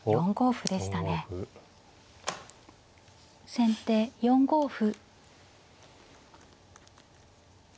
先手４五歩。